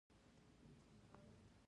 د افغانستان راتلونکی څنګه وینئ؟